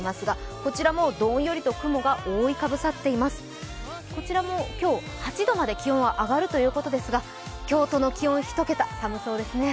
こちらも今日、８度まで気温は上がるということですが京都の気温１桁、寒そうですね。